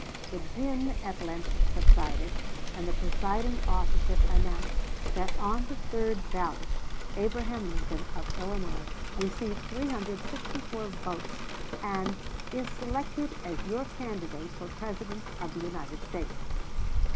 The din at length subsided, and the presiding officer announced that on the third ballot Abraham Lincoln, of Illinois, received 364 votes, and "is selected as your candidate for President of the United States."